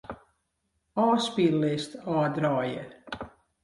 Ofspyllist ôfdraaie.